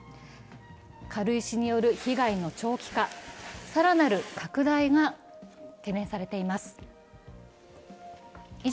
軽石による被害の長期化、更なる拡大が懸念されています。